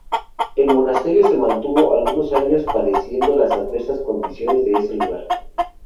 El monasterio se mantuvo algunos años padeciendo las adversas condiciones de ese lugar.